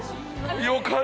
よかった！